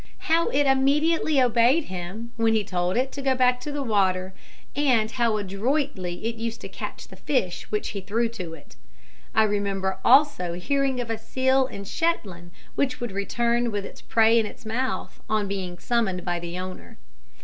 How it immediately obeyed him when he told it to go back to the water, and how adroitly it used to catch the fish which he threw to it. I remember also hearing of a seal in Shetland which would return with its prey in its mouth on being summoned by the owner.